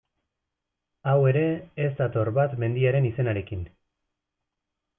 Hau ere, ez dator bat mendiaren izenarekin.